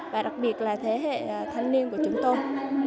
và đặc biệt là thế hệ thanh niên của chúng tôi